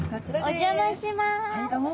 お邪魔します。